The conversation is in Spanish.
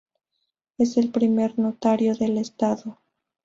Es el primer notario del Estado.